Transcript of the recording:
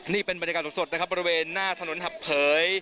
นี่เป็นบรรยากาศสดนะครับบริเวณหน้าถนนหับเผย